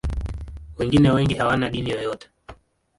Wengine wengi hawana dini yoyote.